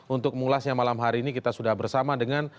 untuk mengulasnya malam hari ini kita sudah bersama dengan